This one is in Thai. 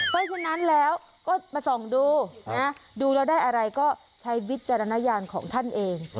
เพราะฉะนั้นแล้วก็มาส่องดูนะดูแล้วได้อะไรก็ใช้วิจารณญาณของท่านเอง